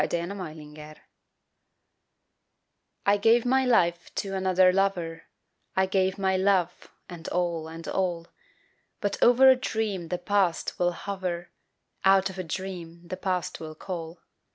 DREAMS I GAVE my life to another lover, I gave my love, and all, and all But over a dream the past will hover, Out of a dream the past will call.